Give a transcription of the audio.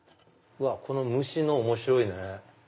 この虫の面白いね。